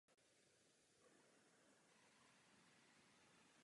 Listy jsou téměř celokrajné nebo na okraji pilovité.